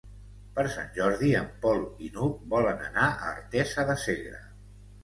Per Sant Jordi en Pol i n'Hug volen anar a Artesa de Segre.